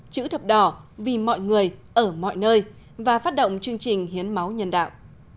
chữ thập đỏ vì mọi người ở mọi nơi và phát động chương trình hiến máu nhân đạo